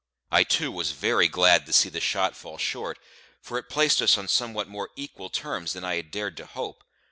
I too was very glad to see the shot fall short, for it placed us on somewhat more equal terms than I had dared to hope.